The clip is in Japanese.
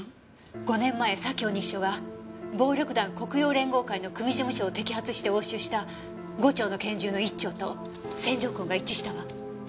５年前左京西署が暴力団黒洋連合会の組事務所を摘発して押収した５丁の拳銃の１丁と線条痕が一致したわ。